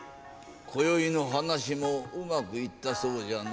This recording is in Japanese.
こよいの話もうまくいったそうじゃな。